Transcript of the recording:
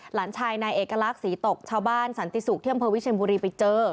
หลานชายนายเอกลักษณ์ศรีตกชาวบ้านสันติศุกร์ที่อำเภอวิเชียนบุรีไปเจอ